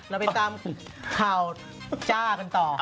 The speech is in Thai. เราไปตามข่าวจ้ากันต่อ